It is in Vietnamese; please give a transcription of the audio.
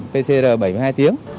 pcr bảy mươi hai tiếng